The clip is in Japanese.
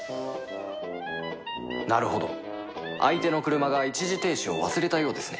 なるほど相手の車が一時停止を忘れたようですね